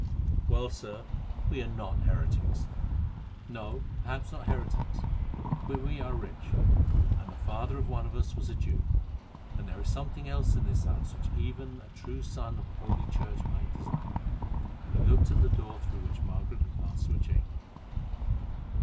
"Well, Sir, we are not heretics." "No, perhaps not heretics; but we are rich, and the father of one of us was a Jew, and there is something else in this house which even a true son of Holy Church might desire," and he looked at the door through which Margaret had passed to her chamber.